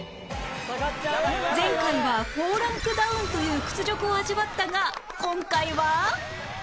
前回は４ランクダウンという屈辱を味わったが今回は？